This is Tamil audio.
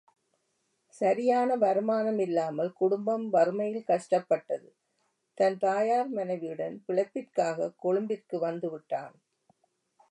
சரியான வருமானம் இல்லாமல் குடும்பம் வறுமையில் கஷ்டப்பட்டது, தன் தாயார் மனைவியுடன் பிழைப்பிற்காக கொழும்பிற்கு வந்து விட்டான்.